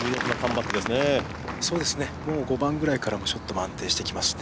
５番ぐらいからショットも安定してきまして